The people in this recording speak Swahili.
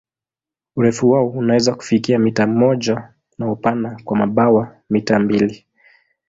Urefu wao unaweza kufika mita moja na upana wa mabawa mita mbili.